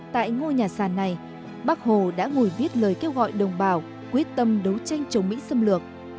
tại ngôi nhà sàn này bác hồ đã ngồi viết lời kêu gọi đồng bào quyết tâm đấu tranh chống mỹ xâm lược